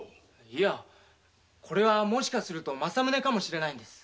いやこれはもしかすると正宗かもしれないんです。